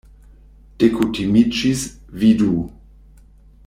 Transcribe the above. Dekutimiĝis, vidu!